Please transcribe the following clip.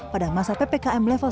pada masa ppkm level satu